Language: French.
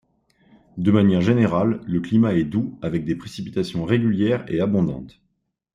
De manière générale, le climat est doux avec des précipitations régulières et abondantes.